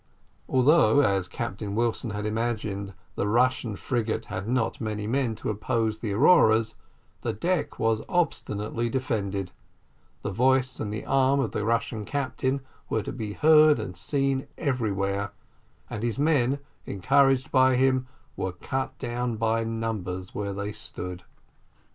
Although, as Captain Wilson had imagined, the Russian frigate had not many men to oppose to the Aurora's, the deck was obstinately defended, the voice and the arm of the Russian captain were to be heard and seen everywhere, and his men, encouraged by him, were cut down by numbers where they stood.